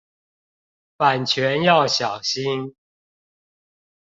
版權要小心